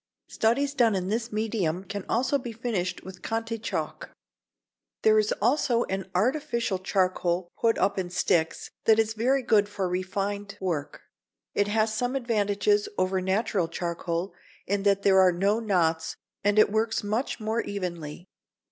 Studies done in this medium can also be finished with Conté chalk. There is also an artificial charcoal put up in sticks, that is very good for refined work. It has some advantages over natural charcoal, in that there are no knots and it works much more evenly.